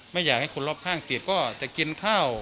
ไม่อยากให้คนรอบข้างติดก็จะกินข้าว